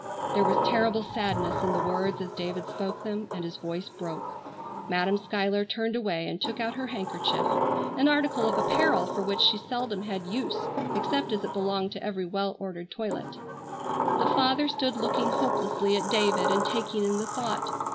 There was terrible sadness in the words as David spoke them, and his voice broke. Madam Schuyler turned away and took out her handkerchief, an article of apparel for which she seldom had use except as it belonged to every well ordered toilet. The father stood looking hopelessly at David and taking in the thought.